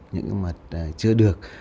những mặt chưa được